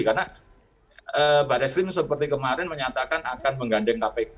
karena baris lim seperti kemarin menyatakan akan menggandeng kpk